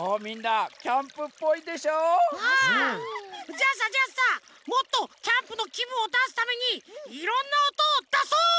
じゃあさじゃあさもっとキャンプのきぶんをだすためにいろんなおとをだそう！